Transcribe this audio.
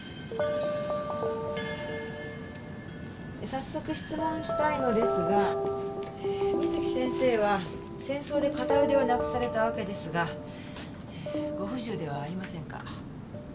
早速質問したいのですが水木先生は戦争で片腕をなくされた訳ですがご不自由ではありませんか？